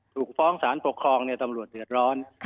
ถูกฟ้องสารปกครองตำรวจเดือดร้อน